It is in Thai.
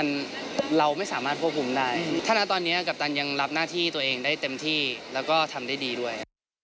จับของรับหน้าที่ตัวเองได้เต็มที่และก็ทำได้ดีด้วย